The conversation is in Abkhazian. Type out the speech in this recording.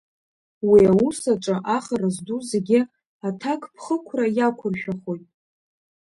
Уи аус аҿы ахара зду зегьы аҭакԥхықәра иақәыршәахоит.